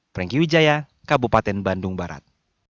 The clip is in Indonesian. franky wijaya kabupaten bandung barat